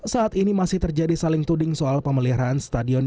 saat ini masih terjadi saling tuding soal pemeliharaan stadion